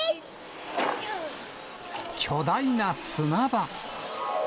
巨大な砂場。